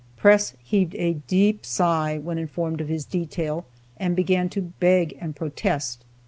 Press heaved a deep sigh when informed of his detail, and began to beg and protest.